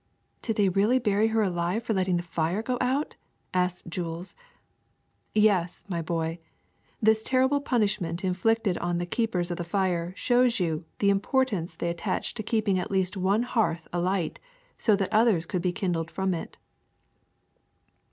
'' Did they really bury her alive for letting the fire go outr' asked Jules. Yes, my boy. This terrible punishment inflicted on the keepers of the fire shows you the importance they attached to keeping at least one hearth alight so that others could be kindled from it."